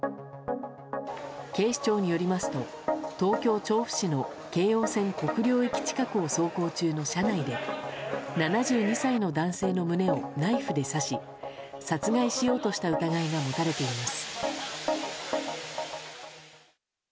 警視庁によりますと東京・調布市の京王線国領駅近くを走行中の車内で７２歳の男性の胸をナイフで刺し、殺害しようとした疑いが持たれています。